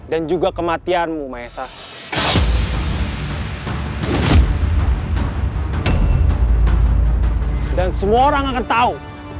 dan semua orang akan tahu